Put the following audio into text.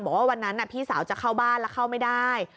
บอกว่าวันนั้นพี่สาวจะเข้าบ้านแล้วเข้าไม่ได้